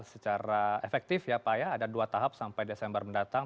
secara efektif ya pak ya ada dua tahap sampai desember mendatang